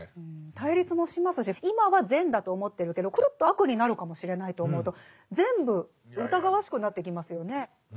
対立もしますし今は善だと思ってるけどくるっと悪になるかもしれないと思うと全部疑わしくなってきますよね。